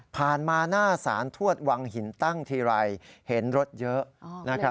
ผ่านมาหน้าสารทวดวังหินตั้งทีไรเห็นรถเยอะ